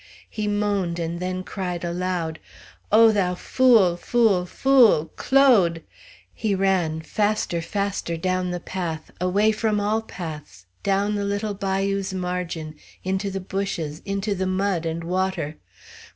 He moaned and then cried aloud, "O thou fool, fool, fool! Claude!" He ran; faster faster down the path, away from all paths, down the little bayou's margin, into the bushes, into the mud and water.